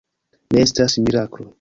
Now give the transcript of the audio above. Ne estas miraklo.